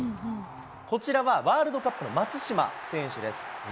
こちらはワールドカップの松島選手です。